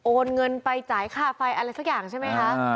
โอนเงินไปจ่ายค่าไฟอะไรสักอย่างใช่ไหมคะ